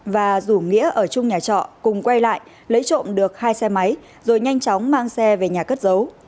và rủ nghĩa ở chung nhà trọ cùng quay lại lấy trộm được hai xe máy rồi nhanh chóng mang xe về nhà cất giấu